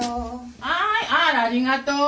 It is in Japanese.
あらありがとう。